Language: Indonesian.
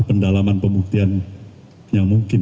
pendalaman pembuktian yang mungkin